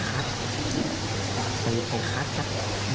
ใครจับ